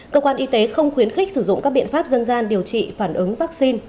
cơ quan y tế không khuyến khích sử dụng các biện pháp dân gian điều trị phản ứng vaccine